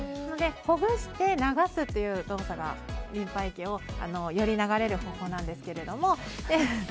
ほぐして流すという動作がリンパ液がより流れる方法なんですが。